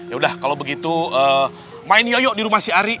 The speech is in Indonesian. yaudah kalau begitu main yoyo di rumah si ari